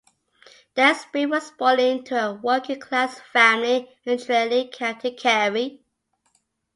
Dan Spring was born into a working-class family in Tralee, County Kerry.